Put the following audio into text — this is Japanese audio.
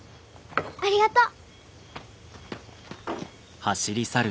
ありがとう！